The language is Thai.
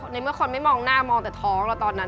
ในเมื่อคนไม่มองหน้ามองแต่ท้องเราตอนนั้น